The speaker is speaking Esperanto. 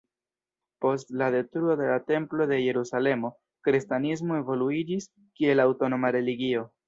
Post la detruo de la Templo de Jerusalemo, kristanismo evoluiĝis kiel aŭtonoma religio.